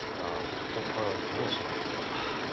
ここからどうしますか。